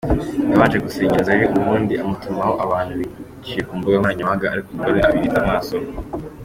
Yabanje gusengera Zari ubundi amutumaho abantu biciye ku mbuga nkoranyambaga ariko umugore abirenza amaso.